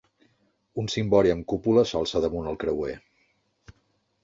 Un cimbori amb cúpula s'alça damunt el creuer.